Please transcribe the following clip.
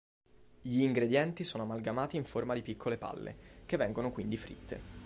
Gli ingredienti sono amalgamati in forma di piccole palle, che vengono quindi fritte.